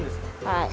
はい。